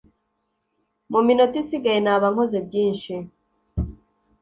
Mu minota isigaye naba nkoze byinshi